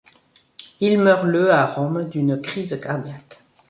Il meurt le à Rome d'une crise cardiaque.